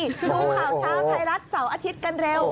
ดูข่าวเช้าไทยรัฐเสาร์อาทิตย์กันเร็ว